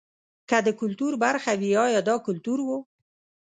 که د کلتور خبره وي ایا دا کلتور و.